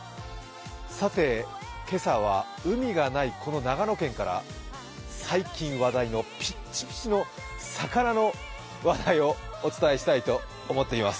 さて、今朝は、海がないこの長野県から最近、話題のぴっちぴちの魚の話題をお伝えしたいと思っています。